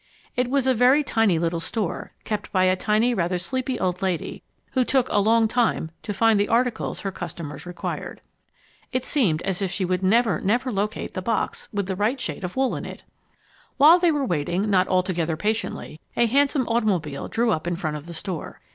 It was a very tiny little store, kept by a tiny, rather sleepy old lady, who took a long time to find the articles her customers required. It seemed as if she would never, never locate the box with the right shade of wool in it! While they were waiting, not altogether patiently, a handsome automobile drew up in front of the store.